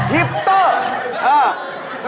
ฮิปเตอร์เออ